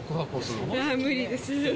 無理です。